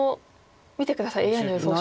見て下さいＡＩの予想手。